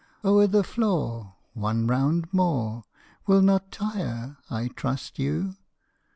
" O'er the floor One round more Will not tire, I trust, you."